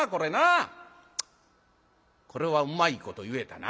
これはうまいこと言えたな。